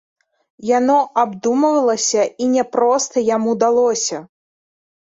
Яно абдумвалася і няпроста яму далося.